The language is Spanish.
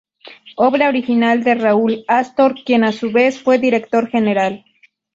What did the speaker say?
Obra original de Raúl Astor, quien a su vez fue el director general.